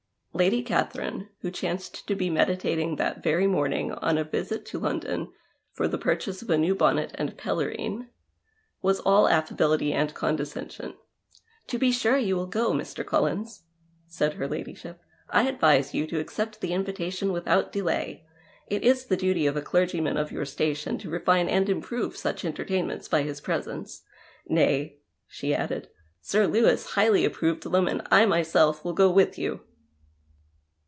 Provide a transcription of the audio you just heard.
Lady Catherine, who chanced to be meditating that very morning on a visit to London for the purchase of a new bonnet and pelerine, was all affability and condescension. "To be sure, you will go, Mr. CoUins," said her ladyship. " I advise you to accept the invitation without delay. It is the duty of a clergyman of your station to refine and improve such entertainments by his presence. Nay," she added, " Sir Lewis highly approved them and / myself will go with you."